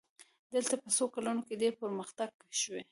دلته په څو کلونو کې ډېر پرمختګ شوی.